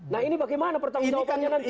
nah ini bagaimana pertanyaannya nanti